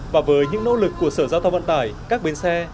và với những nỗ lực của sở giao thông vận tải các bến xe